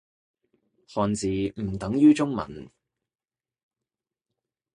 漢字唔等於中文